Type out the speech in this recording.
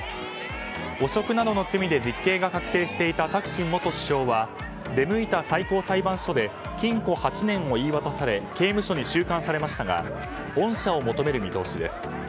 汚職などの罪で実刑が確定していたタクシン元首相は出向いた最高裁判所で禁錮８年を言い渡され刑務所に収監されましたが恩赦を求める見通しです。